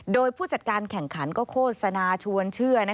โดยผู้จัดการแข่งขันก็โฆษณาชวนเชื่อ